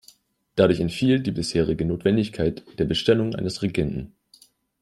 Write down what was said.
Dadurch entfiel die bisherige Notwendigkeit der Bestellung eines Regenten.